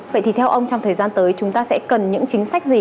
vậy thì theo ông trong thời gian tới chúng ta sẽ cần những chính sách gì